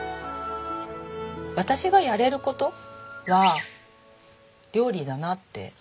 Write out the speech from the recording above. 私がやれる事は料理だなって。